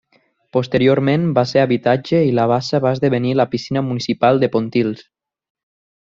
Posteriorment va ser habitatge i la bassa va esdevenir la piscina municipal de Pontils.